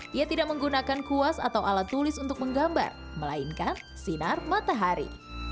dia tidak menggunakan kuas atau alat tulis untuk menggambar melainkan sinar matahari